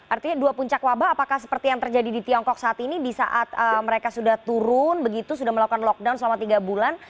artinya dua puncak wabah apakah seperti yang terjadi di tiongkok saat ini di saat mereka sudah turun begitu sudah melakukan lockdown selama tiga bulan